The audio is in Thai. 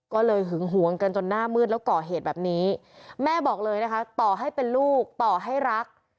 ก็เลยหึงหวงกันจนหน้ามืดแล้วก่อเหตุแบบนี้แม่บอกเลยนะคะต่อให้เป็นลูกต่อให้รัก